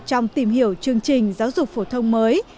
trong tìm hiểu chương trình giáo dục phổ thông mới